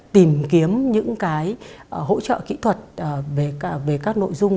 tìm kiếm những cái hỗ trợ kỹ thuật về các nội dung